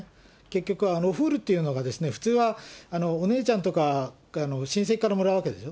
結局、お古っていうのは、普通は、お姉ちゃんとか、親戚からもらうわけです。